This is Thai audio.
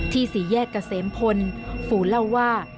ที่ศรีแยกกับเสมพลฝูนเอาว่า